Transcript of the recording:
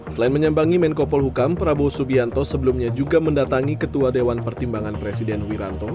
selain menyambangi menko polhukam prabowo subianto sebelumnya juga mendatangi ketua dewan pertimbangan presiden wiranto